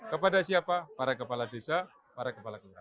kepada siapa para kepala desa para kepala keluarga